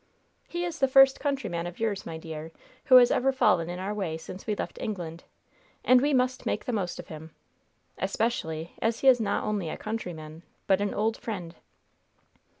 He is the first countryman of yours, my dear, who has ever fallen in our way since we left England, and we must make the most of him! Especially as he is not only a countryman, but an old friend."